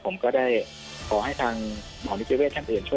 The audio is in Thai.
ผมก็ได้ขอให้ทางหมหอนิเจเวทย์แทนอื่น